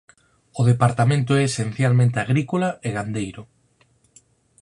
O departamento é esencialmente agrícola e gandeiro.